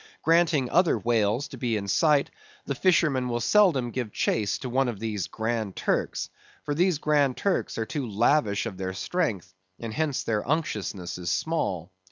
Granting other whales to be in sight, the fishermen will seldom give chase to one of these Grand Turks; for these Grand Turks are too lavish of their strength, and hence their unctuousness is small.